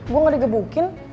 gue gak digebukin